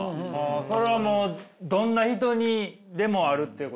それはもうどんな人にでもあるっていうことですか。